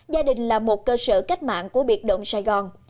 gia đình là một cơ sở cách mạng của biệt động sài gòn